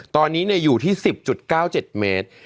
ตอนนี้อยู่ที่๑๐๙๗เมตร